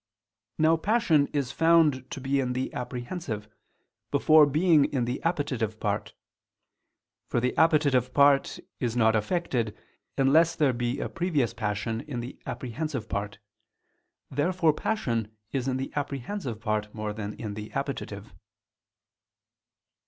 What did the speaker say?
Now passion is found to be in the apprehensive, before being in the appetitive part: for the appetitive part is not affected unless there be a previous passion in the apprehensive part. Therefore passion is in the apprehensive part more than in the appetitive.